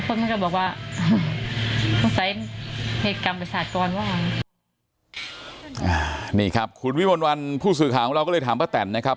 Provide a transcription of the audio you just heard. คนมันก็บอกว่าผู้ใส่เหตุการณ์ประสาทกรว่านี่ครับคุณวิวลวัลผู้สื่อข่าวของเราก็เลยถามพระแตนนะครับ